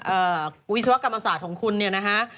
วิศวกรรมศาสตร์ของคุณเนี่ยนะฮะ